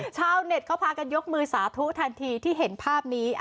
ชาวเน็ตเขาพากันยกมือสาธุทันทีที่เห็นภาพนี้